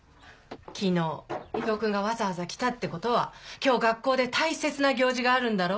昨日伊藤君がわざわざ来たってことは今日学校で大切な行事があるんだろ？